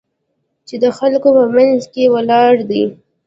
چې د خلکو په منځ کې ولاړ دی.